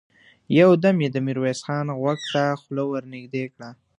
يودم يې د ميرويس خان غوږ ته خوله ور نږدې کړه!